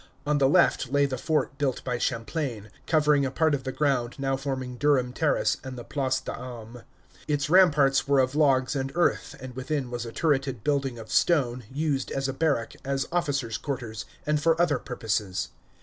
On the left lay the fort built by Champlain, covering a part of the ground now forming Durham Terrace and the Place d'Armes. Its ramparts were of logs and earth, and within was a turreted building of stone, used as a barrack, as officers' quarters, and for other purposes.